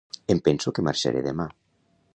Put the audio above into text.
Em penso que marxaré demà.